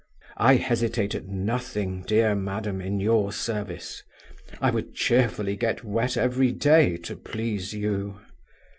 I hesitate at nothing, dear madam, in your service; I would cheerfully get wet every day, to please you.